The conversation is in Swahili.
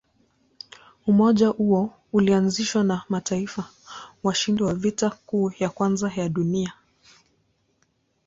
Umoja huo ulianzishwa na mataifa washindi wa Vita Kuu ya Kwanza ya Dunia.